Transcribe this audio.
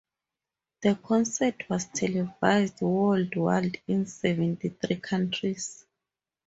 The concert was televised worldwide in seventy-three countries.